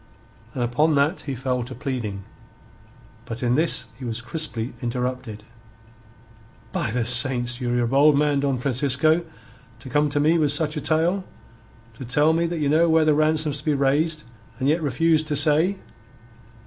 And upon that he fell to pleading. But in this he was crisply interrupted. "By the Saints! Ye're a bold man, Don Francisco, to come to me with such a tale to tell me that ye know where the ransom's to be raised, and yet to refuse to say.